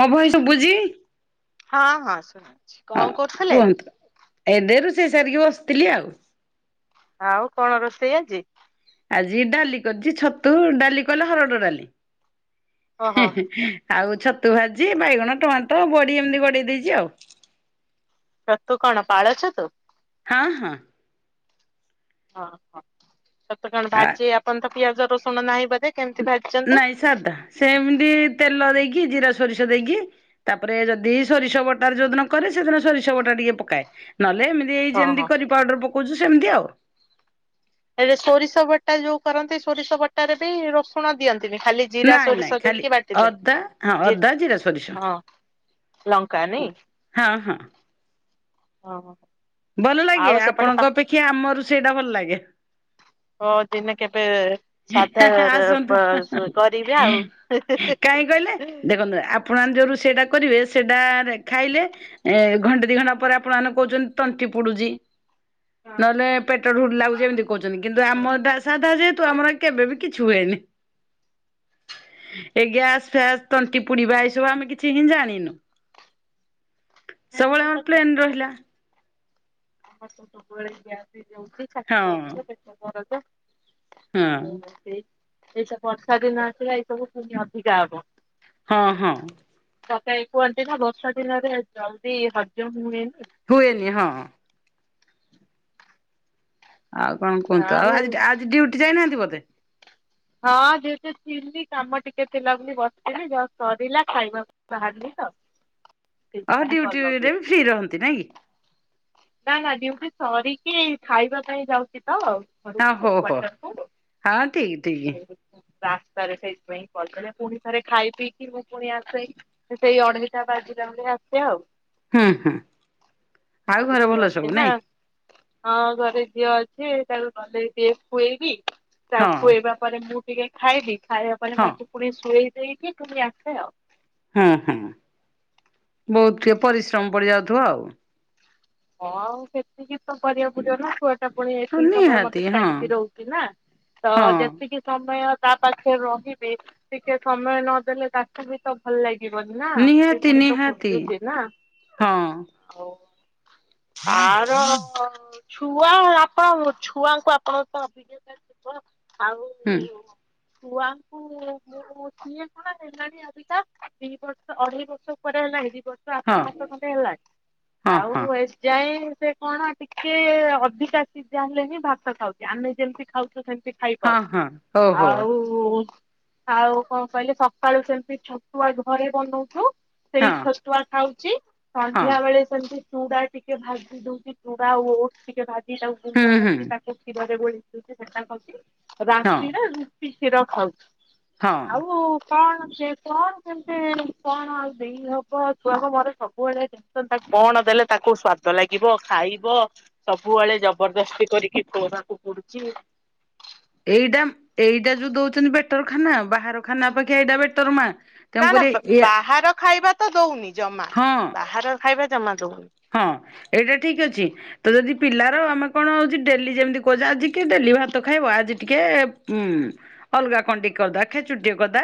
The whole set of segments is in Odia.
ମୋ ଭଏସ ଶୁବୁଚି? ହଁ ହଁ ଶୁଣା ଯାଉଚି, କଣ କରୁଥିଲେ? କୁହନ୍ତୁ। ଏବେ ରୁସେଇ ସାରିକି ବସିଥିଲି ଆଉ। ଆଉ କଣ ରୋଷେଇ ଆଜି? ଆଜି ଡାଲି କରିଛି ଛତୁ ଡାଲି କଲେ ହରଡ ଡାଲି। ଓହୋ ଆଉ ଛତୁ ଭାଜିଚି ବାଇଗଣ ଟମାଟ ବଡି ଏମିତି ଗଡେଇ ଦେଇଛି ଆଉ। ଛତୁ କଣ ପାଳ ଛତୁ? ହଁ ହଁ। ଓଁ ହଁ ଛତୁ କଣ ଆ ଭାଜି ଆପଣ ତ ପିଆଜ ରସୁଣ ନାହିଁ ବଧେ। ନାଇଁ ସାଧା ସେମିତି ତେଲ ଦେଇକି ଜିରା ସୋରିଷ ଦେଇକି ତାପରେ ଯଦି ସୋରିଷ ବଟା ଯୋଉଦିନ କରେ ସେଦିନ ସୋରିଷ ବଟା ଟିକେ ପକାଏ ନହଲେ ଏମ୍ ଦେଇ ହଁ ଯେମିତି ହଁ। କରି ପାଉଡ଼ର ପକଉଛୁ ସେମିତି ଆଉ। ଏଲେ ସୋରିଷ ବଟା ଯୋଉ କରନ୍ତି ସୋରିଷ ବଟାରେ ବି ରସୁଣ ଦିଅନ୍ତିନି ଖାଲି ଜିରା ନାଇଁ ନାଇଁ ସୋରିଷ ଖାଲି ଦେଇକି ବାଟି ଅଦା ହଁ ଦିଅନ୍ତି ଅଦା ଜିରା ସୋରିଷ ଜିର ହଁ ଲଙ୍କା ନାଇଁ। ହଁ ହଁ। ଓହୋ। ଭଲ ଆଉ ଲାଗେ ସେପଟେ ପା ଆପଣଙ୍କ ଅପେକ୍ଷା ଆମ ରୋସେଇ ଟା ଭଲ ଲାଗେ। ହଁ ଦିନେ କେବେ ସାଧା ରେ ଆସନ୍ତୁ ବ କରିବା କାହିଁ କହିଲେ ଆଉ। ଦେଖନ୍ତୁ ଆପଣମାନେ ଯେଉଁ ରୋଷେଇଟା କରିବେ ସେଇଟା ରେଖାଇଲେ ଏ ଘଣ୍ଟେ ଦିଘଣ୍ଟା ପରେ ଆପଣମାନେ କହୁଛନ୍ତି ତଣ୍ଟି ପୋଡୁଛି। ନହେଲେ ପେଟ ଢୁଲ ଲାଗୁଛି ଏମିତି କହୁଛନ୍ତି କିନ୍ତୁ ଆମରଟା ସାଧା ଯେହେତୁ ଆମର କେବେବି କିଛି ହୁଏନି। ଏ ଗ୍ୟାସ ଫ୍ୟାସ ତଣ୍ଟି ପୁଡିବା ଏଇସବୁ ଆମେ କିଛି ହିଁ ଜାଣିନୁ। ସବୁବେଳେ ଆମର ପ୍ଲେନ୍ ରହିଲା। ତମର ତ ସବୁବେଳେ ଗ୍ୟାସରେ ରୋଷେଇ ହଁ ଛାତି ଦରଜ ପେଟ ଦରଜ ହଁ ସେ ଏଇତ ବର୍ଷା ଦିନ ଆସିଲ ଏଇ ସବୁ ପୁଣି ଅଧିକା ହବ। ହଁ ହଁ। ଚକାଇ କୁହନ୍ତି ନା ବର୍ଷା ଦିନରେ ଜଲଦି ହଜମ ହୁଏନି। ହୁଏନି ହଁ। ଆଉ କଣ କୁହନ୍ତୁ ଆଉ ଆଜି ଆଜି ଡ୍ୟୁଟି ଯାଇନାହାନ୍ତି ବୋଧେ? ହଁ ଡ୍ୟୁଟିରେ ଥିଲି କାମ ଟିକେ ଥିଲା ବୋଲି ବସିିଥିଲି ଯଷ୍ଟ ସରିଲା ଖାଇବାକୁ ବାହାରିଲି ତ ଅ ସେଇଥିପାଇଁ କଲ୍ ଡିୟୁଟିରେ ଲଗେଇଲି। ବି ଫ୍ରି ରହନ୍ତି ନାଇଁକି? ନା ନା ଡିଉଟି ସରିକି ଖାଇବା ପାଇଁ ଯାଉଛି ତ ହଁ ଘରକୁ ହୋ ହୋ କ୍ଵାର୍ଟର କୁ ହଁ ଠିକ ଠିକ। ରାସ୍ତାରେ ସେଇଥିପାଇଁ କରିଦଲେ ପୁଣି ଥରେ ଖାଇ ପିଇକି ମୁଁ ପୁଣି ଆସେ। ସେଇ ଅଢ଼େଇ ବାଜିିଲା ମଧେ ଆସେ ଆଉ। ହୁଁ ହୁଁ ଆଉ ଘରେ ଝିଅ ଭଲ ଅଛି ସବୁ ନା ନାଇଁ? ହଁ ଘରେ ଝିଅ ଅଛି ତାକୁ ଗଲେ ଟିକେ ଖୁଏଇବି ହଁ ତାକୁ ଖୁଏଇବା ପରେ ମୁଁ ଟିକେ ଖାଇବି ଖାଇବାପରେ ହଁ ତାକୁ ପୁଣି ଶୁଏଇ ଦେଇକି ଏଠୁ ପୁଣି ଆସେ ଆଉ। ହୁଁ ହୁଁ ବହୁତ ଟିକେ ପରିଶ୍ରମ ପଡିଯାଉଥିବ ଆଉ। ହଁ ଆଉ ସେତିକି ତ କରିବାକୁ ପଡିବ ନା ଛୁଆ ଛୁଆଟା ପୁଣି ହଁ ଏତିକି ସମୟ ନିହାତି ମତେ ହଁ ଛାଡିକି ରହୁଛି ନା ତ ହଁ ଯେତିକି ସମୟ ତା ପାଖରେ ରହିବି ଟିକେ ସମୟ ନଦେଲେ ତାକୁ ବି ତ ଭଲ ଲାଗିବନି ନା ସେ ନିହାତି ପୁଣି ତ ନିହାତି ଖୋଜୁଛି ନା ହଁ ହଉ। ଆର ଛୁଆ ଆପଣ ଛୁଆଙ୍କୁ ଆପଣଙ୍କ ତ ଅଭିଜ୍ଞତା ଥିବ ଆଉ ହୁଁ। ଛୁଆଙ୍କୁ ମୁଁ ସିଏ କଣ ହେଲାଣି ଅବିକା ଦି ବର୍ଷ ଅଢେଇ ବର୍ଷ ଉପରେ ହେଲାଣି ଦି ବର୍ଷ [inaudible] ହଁ ଆଠ ମାସ ଖଣ୍ଡେ ହେଲାଇଁ ହଁ ଆଉ ହଁ ଯାଇ ଏବେ କଣ ଟିକେ ଅଧିକା ଯେତେ ଯାହା ହେଲେ ହିଁ ଭାତ ଖାଉଛୁ ଆମେ ଯେମତି ଖାଉଛୁ ସେମିତି ହଁ ଖାଇପାରୁନି ହଁ ଓହୋ ଆଉ ଉ ଆଉ କଣ କହିଲେ ସକାଳୁ ସେମିତି ଛତୁଆ ଘରେ ବନଉଚୁ। ସେଇ ହଁ ଛତୁଆ ଖାଉଛି ହଁ ସନ୍ଧ୍ୟା ବେଳେ ସେମିତି ଚୁଡା ଟିକେ ଭାଜି ଦଉଛି ଚୁଡା ଆଉ ଓଟସ ଟିକେ ଭାଜି ତାକୁ ହୁଁ ହୁଁ ଗୁଣ୍ଡକରି ତା କ୍ଷୀରରେ ଗୋଳିଦେଉଛି ସେଟା ଖାଉଛି ହଁ ରାତିରେ ରୁଟି କ୍ଷୀର ଖାଉଛି। ହଁ ଆଉ କଣ ସେ କଣ କେମିତି କଣ ଆଉ ଦେଇ ହବ ଛୁଆକୁ ମୋର ସବୁବେଳେ ତ ତାକୁ କଣ ଦେଲେ ତାକୁ ସ୍ଵାଦ ଲାଗିବ ଖାଇବ ସବୁବେଳେ ଜବରଦସ୍ତି କରିକି ଖୋଇବାକୁ ପଡୁଛି। ଏଇଟା ଏଇଟା ଯୋଉ ଦଉଛନ୍ତି ବେଟର ଖାନା ବାହାର ଖାନା ଅପେକ୍ଷା ଏଇଟା ବେଟର ମା। ନା ନା ତେଣୁକରି ଵା ଏ ବାହାର ଖାଇବା ତ ଦଉନି ଜମା। ହଁ। ବାହାର ଖାଇବା ଜମା ଦଉନି। ହଁ ଏଇଟା ଠିକ ଅଛି। ତ ଯଦି ପିଲାର ଆମେ କଣ ହଉଛି ଡେଲି ଯେମିତି କହୁଛେ ଆଜି କିଏ ଡେଲି ଭାତ ଖାଇବ ଆଜି ଟିକେ ହୁଁ ଅଲଗା କଣ ଟିକେ କରିଦବା ଖେଚୁଡି ଟିକେ କରିଦବା।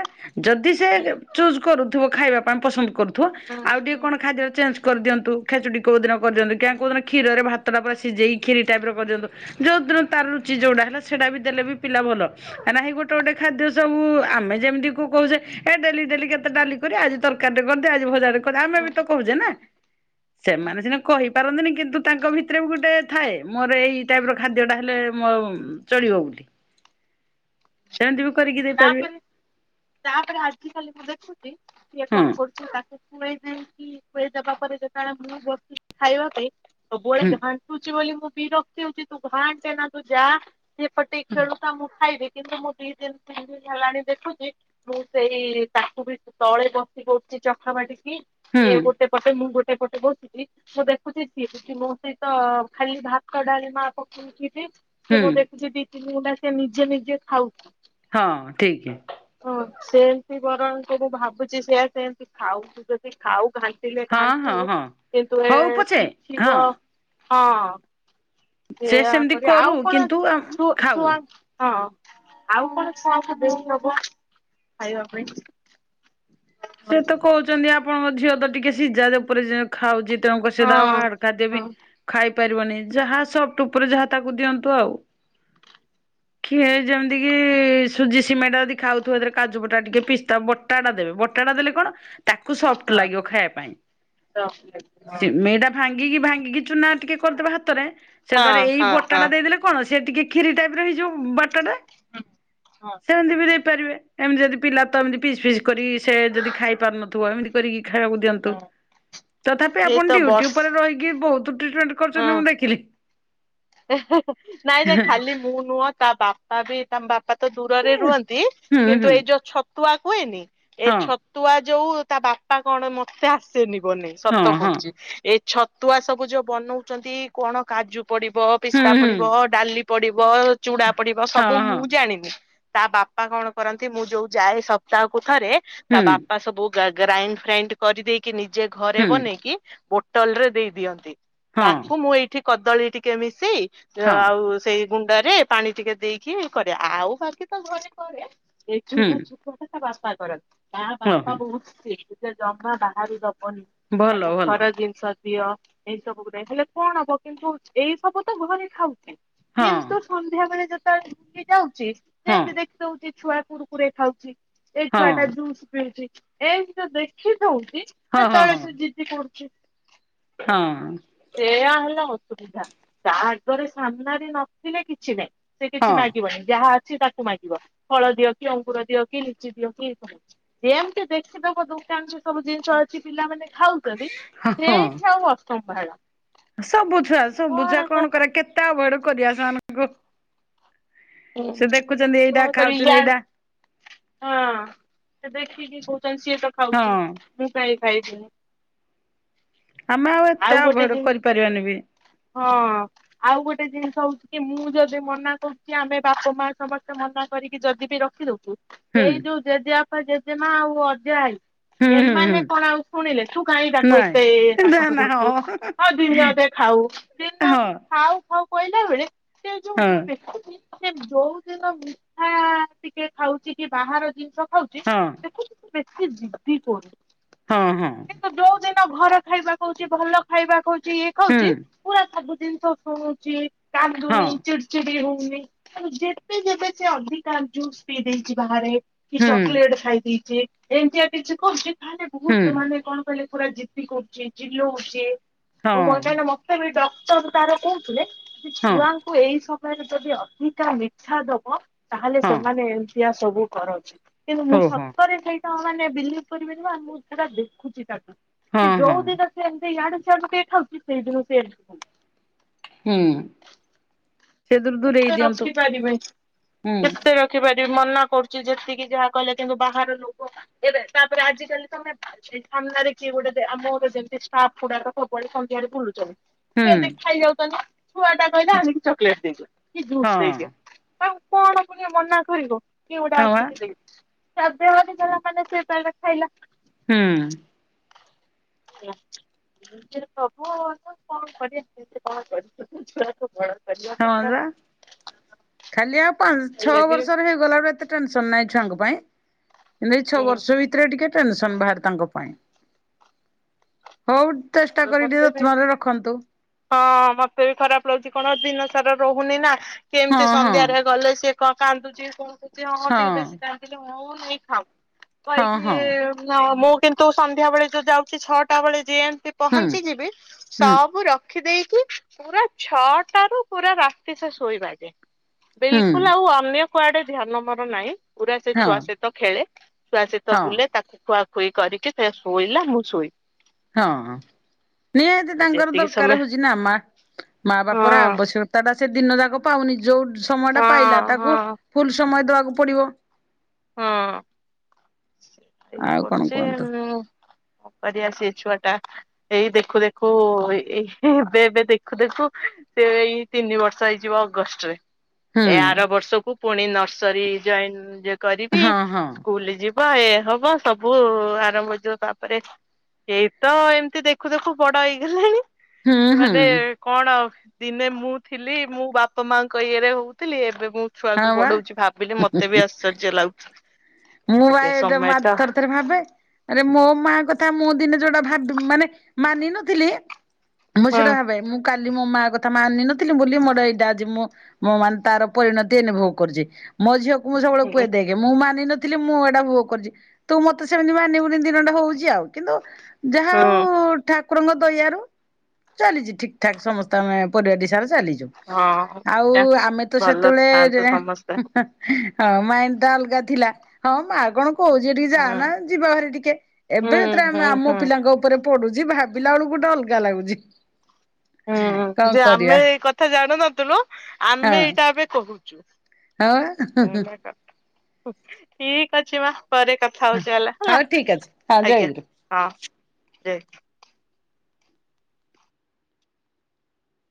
ଯଦି ସେ ହୁଁ ଚୁଜ କରୁଥିବ ଖାଇବା ପାଇଁ ପସନ୍ଦ କରୁ ଥିବ ହୁଁ ଆଉ ଟିକେ କଣ ଖାଦ୍ୟ ଚେଞ୍ କରିଦିଅନ୍ତୁ ଖେଚୁଡି କୋଉ ଦିନ କରିଦିଅନ୍ତୁ କାଇଁ ହୁଁ କୋଉଦିନ କ୍ଷୀରରେ ଭା ତ ଟା ପୁରା ଶିଝେଇ କ୍ଷିରି ଟାଇପ ର କରିଦିଅନ୍ତୁ ଯଉ ଦିନ ତାର ରୁଚି ଯୋଉଟା ହେଲା ସେଇଟା ବି ଦେଲେ ବି ପିଲା ଭଲ। କାହିଁକି ନା ଗୋଟେ ଗୋଟେ ଖାଦ୍ୟ ସବୁ ଆମେ ଯେମିତି କୁ କହୁଛେ ଏ ଡେଲି ଡେଲି କେତେ ଡାଲି କରିଆ ଆଜି ତରକାରୀଟେ କରିଦେ ଆଜି ଭଜାଟେ କରିଦେ ଆମେ ବି ତ ହୁଁ କହୁଛେ ନା। ସେମାନେ ସିନା କହିପାରନ୍ତିନି କିନ୍ତୁ ତାଙ୍କ ଭିତରେ ବି ଗୋଟେ ଥାଏ ମୋର ଏଇ ଟାଇପ ର ଖାଦ୍ୟ ଟା ହେଲେ ମୋ ଚଳିବ ବୋଲି। [inaudible] ସେମିତି ବି କରିକି ଦେଇ ପାରିବେ। ତାପରେ ତାପରେ ଆଜି କାଲି ମୁଁ ଦେଖୁଛି କିଏ ହଁ କଣ କରୁଛି ତାକୁ ଖୁଆଇ କି ଖୁଆଇ ଦବା ପରେ ଯେତେବେଳେ ମୁଁ ବସିଛି ଖାଇବା ପାଇଁ ହୁଁ ସବୁବେଳେ ଘାଣ୍ଟୁଛି ବୋଲି ମୁଁ ବିରକ୍ତି ହଉଛି ତୁ ଘାଣ୍ଟେ ନା ତୁ ଯା ସେ ପଟେ ଖେଳୁଥା ମୁଁ ଖାଇବି କିନ୍ତୁ ମୁଁ ଦି ଦିନ ତିନି ଦିନ ହେଲାଣି ଦେଖୁଛି ମୁଁ ସେଇ ତାକୁ ବି ତଳେ ବସି ପଡୁଛି ଚକା ମାଡ଼ିକି ହୁଁ ସିଏ ଗୋଟେ ପଟେ ମୁଁ ଗୋଟେ ପଟେ ବଉଛି କି ମୁଁ ଦେଖୁଛି ସିଏ ବି ମୋ ସହିତ ଖାଲି ଭାତ ଡାଲ ମା ପକେଇକି ବି ହୁଁ ସେ ମୁଁ ଦେଖୁଛି ଦି ତିନି ଗୁଣ୍ଡା ସେ ନିଜେ ନିଜେ ଖାଉଛି। ହଁ ଠିକି। ହଁ ସେମିତି ବରଂ ମୁଁ ଭାବୁଛି ସେଆ ସେମିତି ଖାଉ ଯଦି ଖାଉ ଘା ଣ୍ଟିଲେ ହଁ ହଁ ଘାଣ୍ଟୁ ହଁ। କିନ୍ତୁ ଏ ହଉ ପଛେ ହଁ ଶିଖିବ ହଁ ସେ ସେୟା ସେମିତି କରି କରୁ ଆଉ କଣ କିନ୍ତୁ ଆମ ଛୁ ଖାଉ। ଛୁଆ ହଁ ଆଉ କଣ ଛୁଆକୁ ଦେଇ ହବ ଖାଇବା ପାଇଁ? ସେ ତ ହଁ। କହୁଛନ୍ତି ଆପଣଙ୍କ ଝିଅ ତ ଟିକେ ସିଝା ଯେପରି ଯେ ଖାଉଛି ତେଣୁ କରି ସେତ ଆଉ ହଁ ବାହାର ଖାଦ୍ୟ ବି ହଁ ଖାଇ ପାରିବନି ଯାହା ସଫ୍ଟ ଉପରେ ଯାହା ତାକୁ ଦିଅନ୍ତୁ ଆଉ। ଖି ଯେମିତି କି ସୁଜି ସିମେଇ ଟା ଯଦି ଖାଉଥିବ ସେଥିରେ କାଜୁବଟା ଟିକେ ପିସ୍ତା ବଟାଟା ଦେବେ ବଟାଟା ଦେଲେ କଣ ତାକୁ ସଫ୍ଟ ହଁ ଲାଗିବ ଖାଇବା ପାଇଁ ସିମେଇ ଟା ଭାଙ୍ଗିକି ଭାଙ୍ଗିକି ଚୁନା ଟିକେ କରିଦବ ହାତରେ ସେଥିରେ ଏଇ ହଁ ବଟା ଟା ଦେଇଦେଲେ କଣ ସେ ଟିକେ ଖିରି ଟାଇପ ର ହେଇଯିବ ବଟାଟା ହୁଁ ହଁ। ବି ଦେଇପାରିବେ ଏମିତି ଯଦି ପିଲା ତ ଏମତି ପିସ୍ ଫିସ୍ କରି ସେ ଯଦି ଖାଇପାରୁନଥିବ ଏମିତି କରିକି ଖାଇବାକୁ ଦିଅନ୍ତୁ। ତ ତଥାପି ଏଇ ଆପଣ ତ ଡ୍ୟୁଟି ବର୍ଷ ଉପରେ ରହିିକି ବହୁତ୍ ଟ ହଁ ନାଇଁ ନାଇ ଖାଲି ମୁଁ ନୁହଁ ତା ବାପା ବି ତାମ ବାପା ତ ଦୂରରେ ହୁଁ ରୁହନ୍ତି ହୁଁ କିନ୍ତୁ ଏଇ ଯୋଉ ଛ ତୁଆ କୁହେନି ଏ ହଁ ଛତୁଆ ଯୋଉ ତା ବାପା କଣ ମତେ ଆସେନି ବନେଇ। ହଁ ସତ ହଁ କହୁଛି ଏ ଛତୁଆ ସବୁ ଯୋଉ ବନଉଛନ୍ତି କଣ କାଜୁ ପଡିବ ହୁଁ ପିସ୍ତା ହୁଁ ପଡିବ ଡାଲି ପଡିବ ଚୁଡା ପଡିବ ସବୁ ହଁ ହଁ ମୁଁ ଜାଣିନି। ତା ବାପା କଣ କରନ୍ତି ମୁଁ ଯୋଉ ଯାଏ ସପ୍ତାହକୁ ଥରେ ତା ହୁଁ। ବାପା ସବୁ ଗ୍ରାଇଣ୍ଡ୍ ଫ୍ରାଇଣ୍ଡ୍ କରିଦେଇକି ନିଜେ ଘରେ ହୁଁ ବନେଇକି ବୋଟଲ୍ ରେ ଦେଇ ଦିଅନ୍ତି। ହଁ ତାକୁ ମୁଁ ଏଇଠି କଦଳୀ ଟିକେ ମିଶେଇ ହଁ ଆଉ ସେଇ ଗୁଣ୍ଡରେ ପାଣି ଟିକେ ଦେଇକି କରିଆ ଆଉ ବାକି ତ ଘରେ କରେ ହୁଁ ତା ବାପା କରନ୍ତି ତା ହଁ ବାପା ହଁ ବହୁତ ସ୍ଟ୍ରିକ୍ଟ ସେ ଜମା ବାହାରୁ ଦବନି। ଭଲ ତାକୁ ଭଲ ଘର ଜିନିଷ ଦିଅ ଏଇ ସବୁ ହେଲେ କଣ ହବ କିନ୍ତୁ ଏଇ ସବୁ ତ ଘରେ ଖାଉଛି ହଁ କିନ୍ତୁ ସନ୍ଧ୍ୟାବେେଳେ ଯେତେବେଳେ ଉଠି ଯାଉଛି ହଁ ସେମିତି ଦେଖି ଦଉଛି ଛୁଆ କୁରୁକୁରେ ଖାଉଛି। ଏ ଛୁଆ ହଁ ଟା ଜୁସ୍ ପିଉଛି ଏମିତି ତ ଦେଖି ଦଉଛି ହଁ ହଁ ସେତେବେଳେ ହଁ ସେ ଜି ଜିଦି କରୁଛି। ହଁ ସେୟା ହେଲା ଅସୁବିଧା ତା ଆଗରେ ସାମ୍ନାରେ ନଥିଲେ କିଛି ନାହିଁ। ସେ ହଁ କିଛି ହଁ ମାଗିବନି ଯାହା ଅଛି ତାକୁ ମାଗିବ ଫଳ ଦିଅ କି ଅଙ୍ଗୁର ଦିଅ କି ଲିଚି ଦିଅ କି ଏସବୁ ଯେମତି ଦେଖିଦବ ଦୋକାନରେ ସବୁ ଜିନିଷ ଅଛି କି ପିଲାମାନେ ଖାଉଛନ୍ତି ସେଠି ଆଉ ଅସମ୍ଭାଳ। ସବୁଛୁଆ ସବୁଛୁଆ କଣ କରିବା କେତେ ଆଭଏଡ୍ କରିବା ସେମାନଙ୍କୁ। ସେ ଦେଖୁଛନ୍ତି ହଁ ଏଇଟା କରିବ ଖାଉଛନ୍ତି ଏଇଟା [unintelligible] ହଁ ସେ ଦେଖିକି କହୁଛନ୍ତି ସିଏ ତ ହଁ ଖାଉଛି। ମୁଁ କାଇଁ ଖାଇବିନି। ଆମେ ଆଉ ଏତେ ଗୋଟେ ଆଭଏଡ୍ ଜିନିଷ କରିପାରିବାନି ବି। ହଁ ଆଉ ଗୋଟେ ଜିନିଷ ହଉଛି କି ମୁଁ ଯଦି ମନା କରୁ କି ଆମେ ବାପା ମା ସମସ୍ତେ ମନା କରିକି ଯଦି ବିି ରଖିଦଉଛୁ ହୁଁ ଏଇ ଯୋଉ ଜେଜେ ବାପା, ଜେଜେ ମା ଆଉ ଅଜା ଆଇ। ହୁଁ ହୁଁ ଏମାନେ ହୁଁ କଣ ଆଉ ଶୁଣିଲେ ତୁ କାଇଁ ତାକୁ ନାଇଁ ଏତେ ନା ତାଗତ ନା ହଁ କରୁଛୁ। ହଁ ଦିନଅଧେ ଖାଉ ଦିନେ ହଁ ଅଧେ ଖାଉ ଖାଉ କହିଲା ବେଳେ ସେ ଯୋଉ ହଁ ମୁଁ ଦେଖେ ସେ ଯୋଉଦିନ ମିଠା ଟିକେ ଖାଉଛି କି ବାହାର ଜିନିଷ ଖାଉଛି ସେଦିନ ସେ ବେଶୀ ଜିଦି କରୁଛି। ହଁ ହଁ। ତ ଯୋଉ ଦିନ ଘର ଖାଇବା କହୁଛି ଭଲ ଖାଇବା କହୁଛି ଇଏ ହୁଁ ଖାଉଛି ପୁରା ସବୁ ଜିନିଷ ଶୁଣୁଛି ହଁ କାନ୍ଦୁନି ଚିଡ଼ଚିଡି ହଉନି। ଆଉ ଯେବେ ଯେବେ ସେ ଅଧିକା ଜୁସ୍ ପିଇ ଦେଇଛି ବାହାରେ କି ହୁଁ ଚକୋଲେଟ ଖାଇ ଦେଇଛି ଏମିତିଆ କିଛି କରୁଛି ତାହେଲେ ହୁଁ ବହୁତ ମାନେ କଣ କହିଲେ ପୁରା ଜିଦି କରୁଛି ଚିଲଉଛି। ହଁ ନା ମତେ ବି ଡକ୍ଟର ତାର କହୁଥିଲେ କି ହଁ ଛୁଆ କୁ ଏଇ ସମୟରେ ଯଦି ଅଧିକା ମିଠା ଦବ ତାହେଲେ ହଁ ସେମାନେ ଏମତି ଏମିତୀଆ ସବୁ କରନ୍ତି। କିନ୍ତୁ ମୁଁ ହଉ ହଁ ସତରେ ଖାଇ ତମେମାନେ ବିଲିଭ୍ କରିବନି ବା ମୁଁ ସେଟା ଦେଖୁଛି ତାକୁ ସେ ହଁ ହଁ ଯୋଉ ଦିନ ସେ ଏମିତି ଆଡୁ ଆଡୁ ଟିକେ ଖାଉଛି ସେଇଦିନ ସେ ହୁଁ। କେତେ ରଖିପାରିବାନି ହୁଁ କେତେ ରଖ ରଖିପାରିବି ମନା କରୁଛି ଯେତିକି ଯାହା କହିଲେ କିନ୍ତୁ ବାହାର ଲୋକ ଏବେ ତାପରେ ଆଜିିକାଲି ତମେ ସେଇ ସାମ୍ନାରେ କିଏ ଗୋଟେ ଆମର ଯେମିତି ଫାଷ୍ଟଫୁଡ ସନ୍ଧ୍ୟାରେ ବୁଲୁଛନ୍ତି। ହଁ କିଏ ହଁ ଏବେ ଖାଇଯାଉଛନ୍ତି ଛୁଆ ଟା କହିଲେ ବା ଆଣିକି ଚକୋଲେଟ୍ ଦେଇଦିଅ କି ଜୁସ୍ ଦେଇଦିଅ ହୁଁ ତାଙ୍କୁ କଣ ଫୁଣି ମନା କରିବ ସିଏ ଗୋଟେ ଆସିକି ଦେଇ ସିଏ ଆଣିବେ ମାନେ ଯାହା ପାଇଲା ସେ ପାଇଲା ଖାଇଲା। ହୁଁ। କଣ କରି କଣ କରି [unintelligible] ହଁ ପା ଖାଲି ଆଉ ପାଞ୍ଚ ଛଅ ହେଲେ ବି ବର୍ଷରେ ହେଇଗଲା ଆ ଏତେ ଟେନସନ୍ ନାହିଁ ଛୁଆଙ୍କ ପାଇଁ ହେଲେ ଏଇ ଛଅ ହୁଁ ବର୍ଷ ଭିତରେ ଟିକେ ଟେନସନ୍ ବାହାରେ ତାଙ୍କ ପାଇଁ। ହଉ ଚେଷ୍ଟା କରି ଟିକେ ମତେ ବି ରତ୍ନରେ ରଖନ୍ତୁ। ହଁ ମତେ ବି ଖରାପ୍ ଲାଗୁଛି, କଣ ଦିନ ସାରା ରହୁନି ନା କେମିତି ହଁ ହଁ ସନ୍ଧ୍ୟାରେ ଗଲେ ସେ କଣ କାନ୍ଦୁଛି କଣ କହୁଛି ହଁ ଟିକେ ବେଶୀ କାନ୍ଦିଲେ ହଁ ନେଇକି ଖାଉ ହଁ କହିକି ହଁ ହଁ ମୁଁ କିନ୍ତୁ ସନ୍ଧ୍ୟା ବେଳେ ଯଉ ଯାଉଛି ଛଅଟା ବେଳେ ଯେମତି ହୁଁ ପହଞ୍ଚି ଯିବି ହୁଁ ସବୁ ରଖ ରଖି ଦେଇକି, ପୁରା ଛଅଟା ରୁ ପୁରା ରାତି ସେ ଶୋଇବା ଯା ହୁଁ ବିଲକୁଲ୍ ଆଉ ଅନ୍ୟ କୁଆଡେ ଧ୍ୟାନ ମୋର ନାହିଁ। ପୁରା ସେ ହଁ ଛୁଆ ସହିତ ଖେଳେ, ଛୁଆ ସହିତ ହଁ ବୁଲେ, ତାକୁ ଖୁଆ ଖୁଇ କରିକି ସିଏ ଶୋଇଲା ମୁଁ ଶୋଇ ହଁ ନିହାତି ଆଉ ତାଙ୍କର ଯେତିକି ଦରକାର ସମୟ ହଉଛି ନା ମା ମା ହଁ ବାପର ଆବଶ୍ୟକ ତାଟା ସେ ଦିନ ଯାକ ପାଉନି, ଯୋଉ ସମୟ ଟା ହଁ ପାଇଲା ତାକୁ ହଁ ଫୁଲ୍ ସମୟ ଦବାକୁ ପଡ଼ିବ। ହଁ ସୋଇ ଆଉ କଣ ପଢୁଛି କୁହନ୍ତୁ ହେନେ କରିଆ ସେ ଛୁଆ ଟା, ଏଇ ଦେଖୁ ଦେଖୁ ଏଇ ଏବେ ଏବେ ଦେଖୁ ଦେଖୁ ସେ ଏଇ ତିନି ବର୍ଷ ହେଇଯିବ ଅଗଷ୍ଟ ରେ ହୁଁ ଏ ଆର ବର୍ଷକୁ ପୁଣି ନର୍ସରୀ ଜଏନ୍ କରିବି ହଁ ହଁ ସ୍କୁଲ୍ ଯିବି ହବ ଏ ହବ ସବୁ ଆରମ୍ଭ ହେଇଯିବ ତାପରେ ଏଇ ତ ଏମତି ଦେଖୁ ଦେଖୁ ବଡ ହେଇଗଲାଣି, ହୁଁ ହୁଁ ମାନେ କଣ ଦିନେ ମୁଁ ଥିଲି ମୁଁ ବାପା ମାଙ୍କ ଇଏରେ ହଉଥିଲି, ଏବେ ମୁଁ ଛୁଆ ହଁ କୁ ବା ବଢଉଛି ଭାବିଲି ମତେ ବି ଆଶ୍ଚର୍ଯ୍ୟ ଲାଗୁଚି। ମୁଁ ପା ଏବେ ମା ଥରେ ଥରେ ଭାବେ ଆରେ ମୋ ମା କଥା ମୁଁ ଦିନେ ଯୋଉଟା ଭାବି ମାନେ ମାନିନଥିଲି ମୁଁ ହଁ ସେଇଟା ଭାବେ, ମୁଁ କାଲି ମୋ ମା କଥା ମାନିନଥିଲି ବୋଲି ମୋର ଏଇଟା ଆଜି ମୁ ମଁ ମାନେ ତାର ପରିଣତି ଏନି ଭୋଗ କରୁଛି। ମୋ ଝିଅକୁ ମୁଁ ସବୁବେଳେ କୁହେ ହୁଁ ଦେଇକି ମୁଁ ମାନିନ ଥିଲି ମୁଁ ଏଇଟା ଭୋଗ କରିଛି। ତୁ ମତେ ସେମିତି ମାନିବୁନି ଦିନଟେ ହଉଛି ଆଉ କିନ୍ତୁ ଯାହା ହଉ ଠା କୁରଙ୍କ ଦଇଆରୁ ଚାଲିଛି ଠିକ୍ ଠାକ୍ ସମସ୍ତେ ଆମେ ପରିବା ଟି ସା ଚାଲିଛୁ। ହଁ ଆଉ ଆମେ ତ ଭଲରେ ସେତେବେଳେ ଯେ ଥାଆନ୍ତୁ ହେଁ ସମସ୍ତେ ହେଁ ହଁ ମାଇଣ୍ଡ୍ ଟା ଅଲଗା ଥିଲା ‌ ହଁ ମା ଗଣ କହୁଛି ହେଟିକି ଯା ହୁଁ ନା, ଯିବା ଭାରି ଟିକେ ଏବେ ଯେତେବେଳେ ହୁଁ ଆମେ ହୁଁ ଆମ ପିଲାଙ୍କ ଉପରେ ପଡୁଛି ଭାବିଲା ବେଳକୁ ଗୋଟେ ଅଲଗା ଲାଗୁଚି। ହୁଁ ଯେ ଆମେ ଏଇ କଥା ଜାଣୁନଥିଲୁ, ହଁ ଆମେ ଏଇଟା ଏବେ କହୁଛୁ। ହଁ ଟା ହେଲା କଥା। ଠିକ୍ ଅଛି ମା ପରେ କଥା ଥାଉଛି ହେଲା ହେଲା ହଉ ଠିକ ଅଛି ହଁ ଆଜ୍ଞା ଜୟଗୁରୁ। ହଁ ଯେ